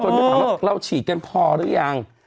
คนมีคำว่าเราฉีดกันพอหรือยัง